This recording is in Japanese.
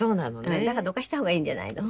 だからどかした方がいいんじゃないの？